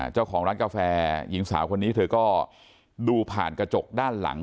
เจ้าของร้านกาแฟหญิงสาวคนนี้เธอก็ดูผ่านกระจกด้านหลัง